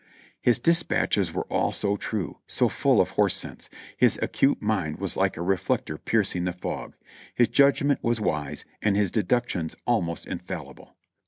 His dispatches were all so true — so full of horse sense ; his acute mind was like a reflector piercing the fog; his judgment was wise, and his deductions almost infallible.